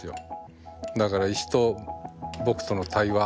だから石と僕との対話。